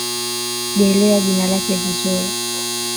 Sijaelewa jina lake vizuri